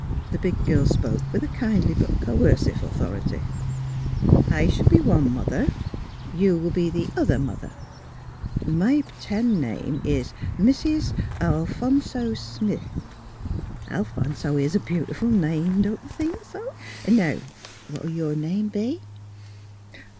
The big girl spoke with a kindly but coercive authority. '' I shall be one mother ; you will be the other mother. My p'tend name is Mis sis Alphonso PLAYING MOTHER 259 Smith. ... Alplionso is a beautiful name; don't you think so? ... Now, what will your name be?